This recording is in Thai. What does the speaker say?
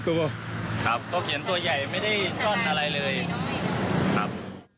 ตัวครับก็เขียนตัวใหญ่ไม่ได้ซ่อนอะไรเลยครับ